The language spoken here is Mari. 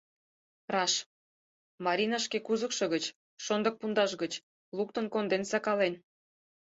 Раш: Марина шке кузыкшо гыч, шондык пундаш гыч, луктын конден сакален.